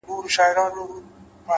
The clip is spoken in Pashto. صبر د وخت له ازموینې سره مل وي،